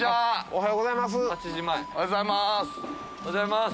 おはようございます。